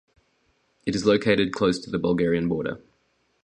It is located close to the Bulgarian border.